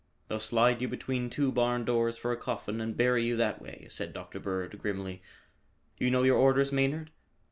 "They'll slide you between two barn doors for a coffin and bury you that way," said Dr. Bird grimly. "You know your orders, Maynard?"